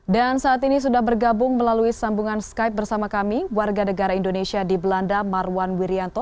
dan saat ini sudah bergabung melalui sambungan skype bersama kami warga negara indonesia di belanda marwan wirianto